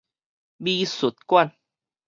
美術館